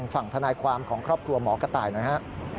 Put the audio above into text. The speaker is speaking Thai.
ฝั่งธนายความของครอบครัวหมอกระต่ายหน่อยฮะ